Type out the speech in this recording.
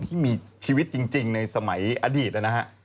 ที่มีชีวิตจริงในสมัยอดีตนะฮะ